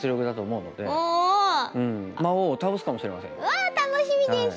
うわ楽しみです！